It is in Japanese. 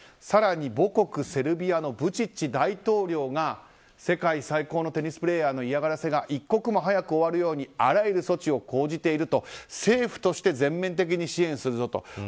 更に母国セルビアのブチッチ大統領が世界最高のテニスプレーヤーへの嫌がらせが一刻も早く終わるようにあらゆる措置を講じていると政府として全面的に支援するぞと。